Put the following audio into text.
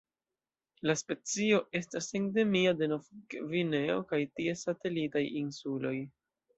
La specio estas endemia de Nov-Gvineo kaj ties satelitaj insuloj.